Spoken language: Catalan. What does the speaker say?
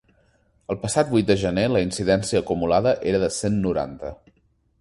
El passat vuit de gener la incidència acumulada era de cent noranta.